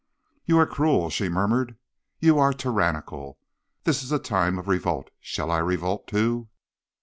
"'You are cruel,' she murmured, 'you are tyrannical. This is a time of revolt; shall I revolt, too?'